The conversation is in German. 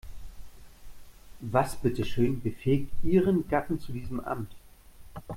Was bitteschön befähigt ihren Gatten zu diesem Amt?